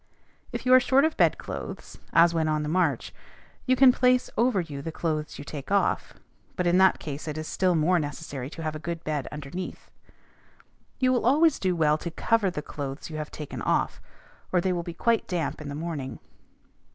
If you are short of bedclothes, as when on the march, you can place over you the clothes you take off (see p. 19); but in that case it is still more necessary to have a good bed underneath. You will always do well to cover the clothes you have taken off, or they will be quite damp in the morning.